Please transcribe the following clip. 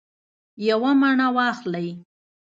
یوه مڼه واخلئ